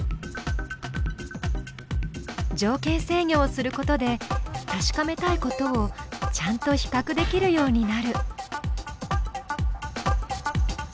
「条件制御」をすることで確かめたいことをちゃんと比較できるようになる。